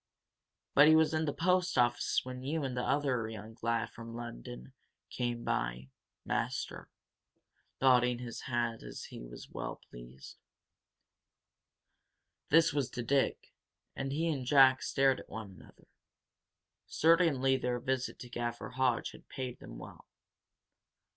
But he was in the post office when you and t'other young lad from Lunnon went by, maister," nodding his head as if well pleased. This was to Dick, and he and Jack stared at one another. Certainly their visit to Gaffer Hodge had paid them well.